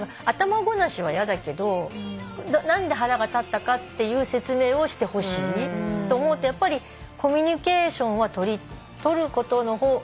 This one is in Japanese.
頭ごなしはやだけど何で腹が立ったかっていう説明をしてほしいと思うとやっぱりコミュニケーションは取ることの方。